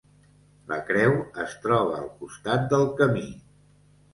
La creu es troba al costat del camí.